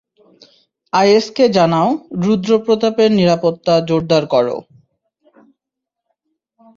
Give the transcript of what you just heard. আইএসকে জানাও, রুদ্র প্রতাপের নিরাপত্তা জোরদার করো।